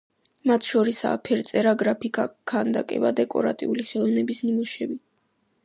მათ შორისაა ფერწერა, გრაფიკა, ქანდაკება, დეკორატიული ხელოვნების ნიმუშები.